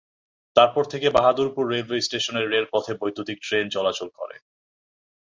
তারপর থেকে বাহাদুরপুর রেলওয়ে স্টেশনের রেলপথে বৈদ্যুতীক ট্রেন চলাচল করে।